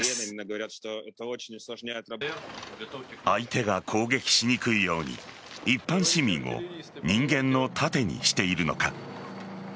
相手が攻撃しにくいように一般市民を人間の盾にしているのか。